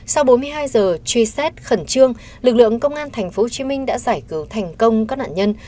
sau bốn mươi hai giờ truy xét khẩn trương lực lượng công an tp hcm đã giải cứu thành công các nạn nhân